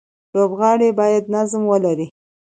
لوبغاړي باید نظم ولري.